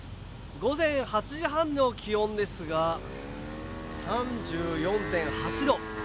午前８時半の気温ですが、３４．８度。